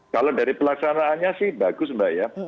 kalau dari pelaksanaannya sih bagus mbak ya